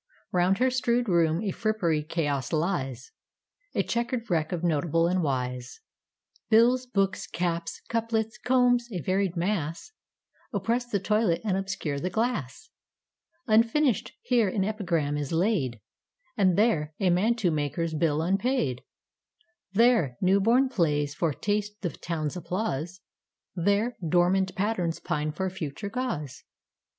Round her strewed room a frippery chaos lies,A checkered wreck of notable and wise; Bills, books, caps, couplets, combs, a varied mass, Oppress the toilet and obscure the glass; Unfinished, here an epigram is laid, And there, a mantua maker's bill unpaid; There, new born plays foretaste the town's applause, There, dormant patterns pine for future gauze.